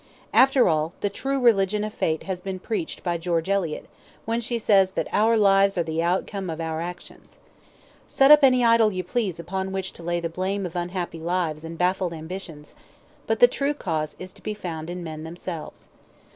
After all, the true religion of Fate has been preached by George Eliot, when she says that our lives are the outcome of our actions. Set up any idol you please upon which to lay the blame of unhappy lives and baffled ambitions, but the true cause is to be found in men themselves.